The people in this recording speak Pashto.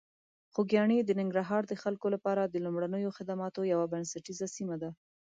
خوږیاڼي د ننګرهار د خلکو لپاره د لومړنیو خدماتو یوه بنسټیزه سیمه ده.